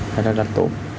thì rất là tốt